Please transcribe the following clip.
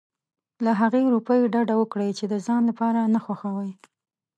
له هغې رويې ډډه وکړي چې د ځان لپاره نه خوښوي.